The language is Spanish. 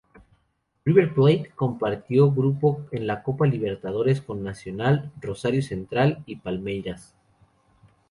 River Plate compartió grupo en la Copa Libertadores con Nacional, Rosario Central y Palmeiras.